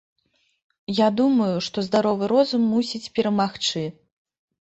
Я думаю, што здаровы розум мусіць перамагчы.